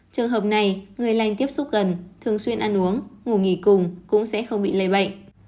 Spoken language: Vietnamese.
trường hợp này người lành tiếp xúc gần thường xuyên ăn uống ngủ nghỉ cùng cũng sẽ không bị lây bệnh